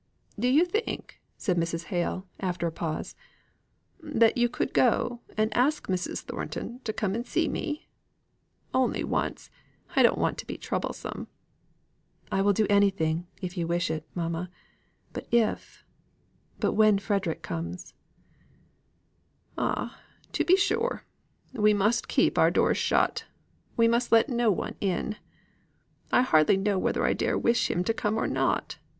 "Do you think," said Mrs. Hale, after a pause, "that you could go and ask Mrs. Thornton to come and see me? Only once I don't want to be troublesome." "I will do anything, if you wish it, mamma but if but when Frederick comes " "Ah, to be sure! we must keep our doors shut we must let no one in. I hardly know whether I dare wish him to come or not.